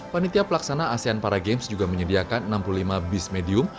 panitia pelaksana asean para games juga menyediakan enam puluh lima bis medium